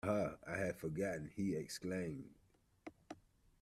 Ah, I had forgotten, he exclaimed.